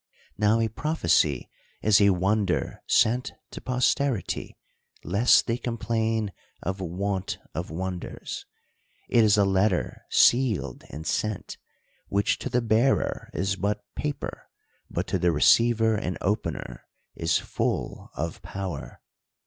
Now a prophecy is a wonder sent to posterity, lest they complain of want of wonders. It is a letter sealed, and sent; which to the bearer is but paper, but to the receiver and opener is full of power.